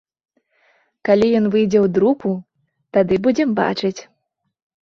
Калі ён выйдзе ў друку, тады будзем бачыць.